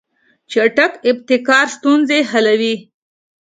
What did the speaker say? چټک ابتکار ستونزې حلوي.